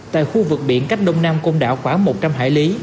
tại khu vực biển cách đông nam côn đảo khoảng một trăm linh hải lý